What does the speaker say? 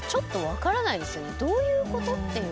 どういうこと？っていう。